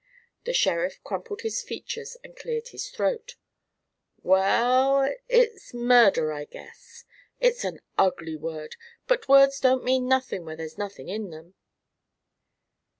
The sheriff crumpled his features and cleared his throat. "Well, it's murder, I guess. It's an ugly word, but words don't mean nothin' when there's nothin' in them."